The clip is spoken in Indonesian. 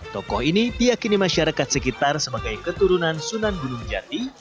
tokoh ini diakini masyarakat sekitar sebagai keturunan sunan gunung jati